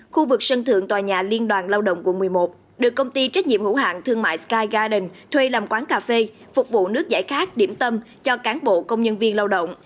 khu vực sân thượng tòa nhà liên đoàn lao động quận một mươi một được công ty trách nhiệm hữu hạng thương mại sky garden thuê làm quán cà phê phục vụ nước giải khát điểm tâm cho cán bộ công nhân viên lao động